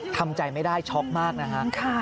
ทำใจไม่ได้ช็อกมากนะฮะ